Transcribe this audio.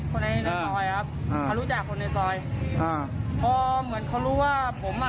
คนในในซอยครับอ่าเขารู้จักคนในซอยอ่าพอเหมือนเขารู้ว่าผมอ่ะ